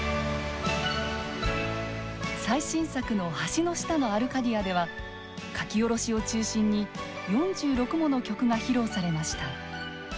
最新作の「橋の下のアルカディア」では書き下ろしを中心に４６もの曲が披露されました。